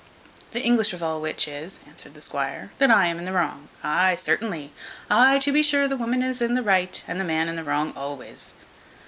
"The English of all which is," answered the squire, "that I am in the wrong. Ay, certainly. Ay, to be sure the woman is in the right, and the man in the wrong always."